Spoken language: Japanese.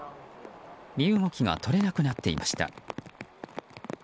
身動きが取れなくなっていました。